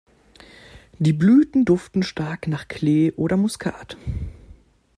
Die Blüten duften stark nach Klee oder Muskat.